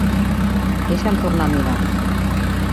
Deixa'm tornar a mirar.